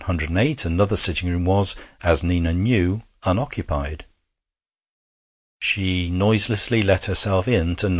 108, another sitting room, was, as Nina knew, unoccupied. She noiselessly let herself into No.